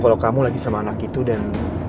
kalau kamu lagi sama anak itu dan